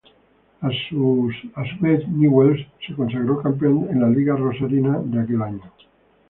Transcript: A su vez, Newell's se consagró campeón en la Liga rosarina de aquel año.